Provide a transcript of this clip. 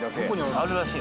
あるらしい。